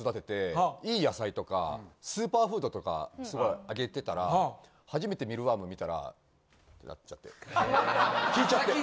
いい野菜とかスーパーフードとかすごいあげてたら初めてミルワーム見たらってなっちゃって。